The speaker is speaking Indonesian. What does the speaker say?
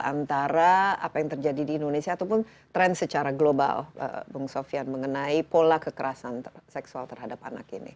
antara apa yang terjadi di indonesia ataupun tren secara global bung sofian mengenai pola kekerasan seksual terhadap anak ini